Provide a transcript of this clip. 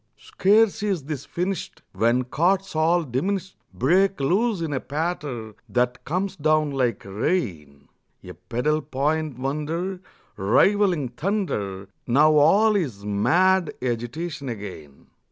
Scarce is this finished When chords all diminished Break loose in a patter that comes down like rain, A pedal point wonder Rivaling thunder. Now all is mad agitation again.